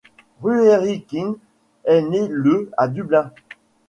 Ruairi Quinn est né le à Dublin.